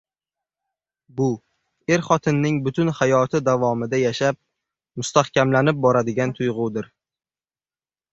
Bu er-xotinning butun hayoti davomida yashab, mustahkamlanib boradigan tuyg‘udir.